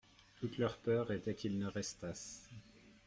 Toute leur peur était qu'ils ne restassent.